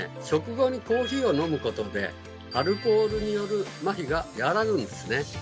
食後にコーヒーを飲むことでアルコールによるまひが和らぐんですね。